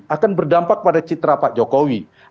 akan berdampak pada citra pak jokowi